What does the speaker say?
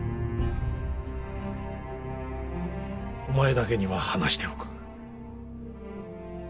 お前だけには話しておく。